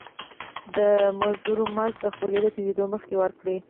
د مزدور مزد د خولي د تويدو مخکي ورکړی.